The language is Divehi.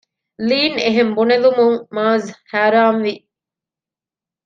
ލީން އެހެން ބުނެލުމުން މާޒްގެ ހައިރާންވި